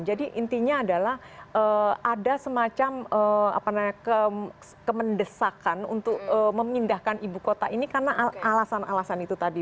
jadi intinya adalah ada semacam kemendesakan untuk memindahkan ibu kota ini karena alasan alasan itu tadi